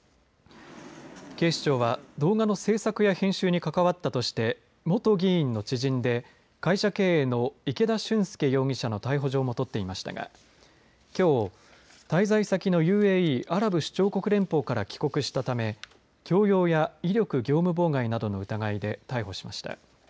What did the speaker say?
警視庁は動画の制作や編集に関わったとして元議員の知人で会社経営の池田俊輔容疑者の逮捕状も取っていましたがきょう滞在先のＵＡＥアラブ首長国連邦から帰国したため強要や威力業務妨害のなどの疑いで逮捕しました。